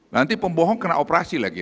nanti pembohong kena operasi lagi